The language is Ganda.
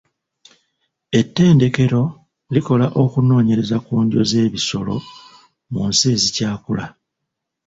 Ettendekero likola okunoonyereza ku ndyo z'ebisolo mu nsi ezikyakula.